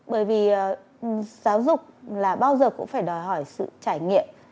bởi vì giáo dục là bao giờ cũng phải đòi hỏi sự trải nghiệm